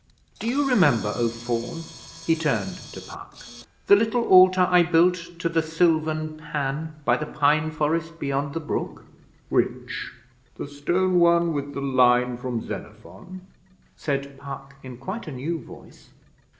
Do you remember, O Faun,' he turned to Puck 'the little altar I built to the Sylvan Pan by the pine forest beyond the brook?' 'Which? The stone one with the line from Xenophon?' said Puck, in quite a new voice.